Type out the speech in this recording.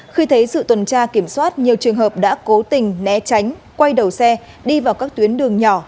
khi thấy sự tuần tra kiểm soát nhiều trường hợp đã cố tình né tránh quay đầu xe đi vào các tuyến đường nhỏ